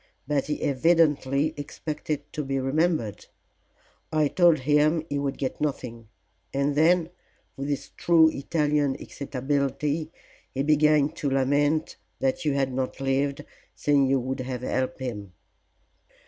But he evidently expected to be remembered. I told him he would get nothing, and then with true Italian excitability he began to lament that you had not lived, saying you would have helped him."